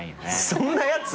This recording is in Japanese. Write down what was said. そんなやつ。